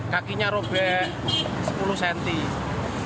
kakinya robek sepuluh cm